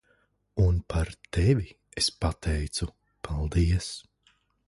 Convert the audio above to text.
Un par tevi es pateicu paldies.